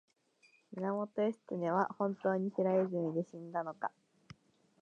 源義経は本当に平泉で死んだのか